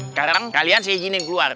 sekarang kalian saya izinin keluar